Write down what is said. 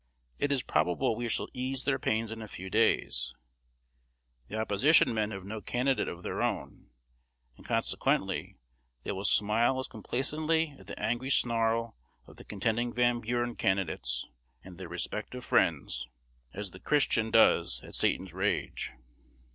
It is probable we shall ease their pains in a few days. The opposition men have no candidate of their own; and consequently they will smile as complacently at the angry snarl of the contending Van Buren candidates and their respective friends, as the Christian does at Satan's rage.